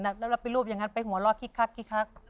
แล้วไปรูปอย่างนั้นไปหัวเราะคิกคัก